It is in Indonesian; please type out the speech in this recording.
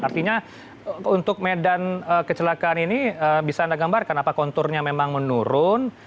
artinya untuk medan kecelakaan ini bisa anda gambarkan apa konturnya memang menurun